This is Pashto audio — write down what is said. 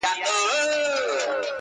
• اوس به سخته سزا درکړمه و تاته,